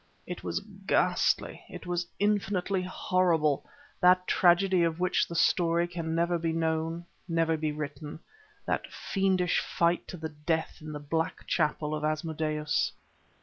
It was ghastly, it was infinitely horrible, that tragedy of which the story can never be known, never be written; that fiendish fight to the death in the black chapel of Asmodeus.